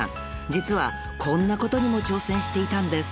［実はこんなことにも挑戦していたんです］